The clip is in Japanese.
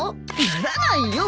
ならないよ！